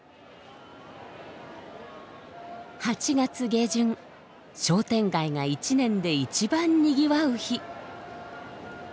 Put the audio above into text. ８月下旬商店街が一年で一番賑わう日。